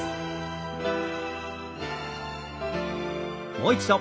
もう一度。